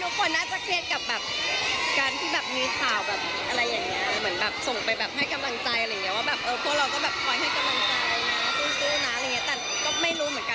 ไม่เคยนะมีลว่าไม่เคยเจอ